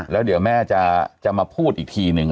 แล้วเดี๋ยวแม่จะมาพูดอีกทีหนึ่ง